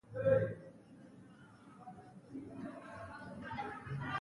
دوی د هېپتاليانو په نامه يوه سترواکي د کيداريانو په ماتولو سره رامنځته کړه